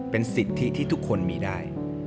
เป็นสิทธิที่ทุกคนมีได้